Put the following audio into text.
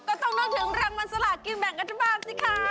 ก็ต้องนอกถึงรังมันสละกินแบ่งกันทุกภาพสิคะ